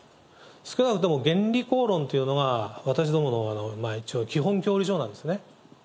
少なくとも原理講論というのが、私どもの一応、基本教条なんですね。